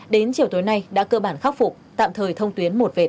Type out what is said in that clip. đến chiều tối nay đã cơ bản khắc phục tạm thời thông tuyến một vệt